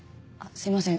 すいません。